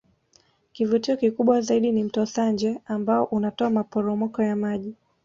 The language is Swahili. Kivutio kikubwa zaidi ni Mto Sanje ambao unatoa maporomoko ya maji